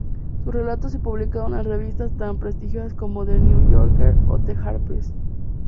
Sus relatos se publicaron en revistas tan prestigiosas como "The New Yorker" o "Harper's".